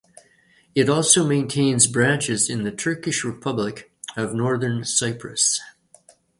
It also maintains branches in the Turkish Republic of Northern Cyprus.